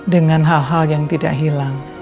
dengan hal hal yang tidak hilang